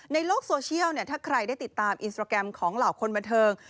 ในโลกโซเชียลถ้าใครได้ติดตามอินสตราแกรมของเหล่าคนบันเทิง